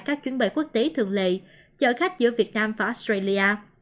các chuyến bay quốc tế thường lệ chở khách giữa việt nam và australia